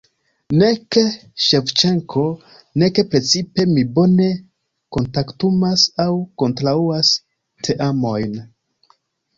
Nek Ŝevĉenko nek precipe mi bone kontaktumas aŭ konstruas teamojn.